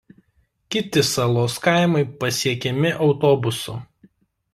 Kiti salos kaimai pasiekiami autobusu.